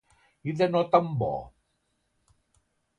I de no tan bo?